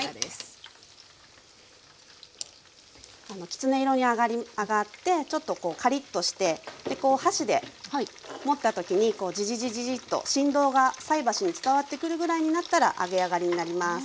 きつね色に揚がってちょっとこうカリッとして箸で持った時にジジジジジッと振動が菜箸に伝わってくるぐらいになったら揚げ上がりになります。